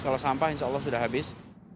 kalau sampah insya allah sudah habis